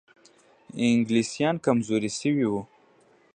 انګلیسان کمزوري شوي وو.